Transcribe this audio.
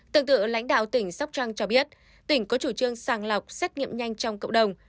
tương tự lãnh đạo tỉnh sóc trăng cho biết tỉnh có chủ trương sàng lọc xét nghiệm nhanh trong cộng đồng